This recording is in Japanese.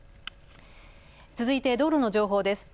続いて道路の情報です。